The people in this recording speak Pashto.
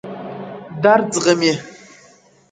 • درد زغمي،